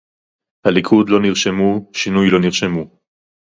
הליכוד לא נרשמו, שינוי לא נרשמו